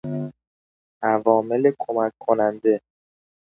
عوامل کمک کننده